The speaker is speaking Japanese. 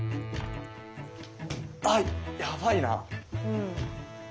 あやばいな。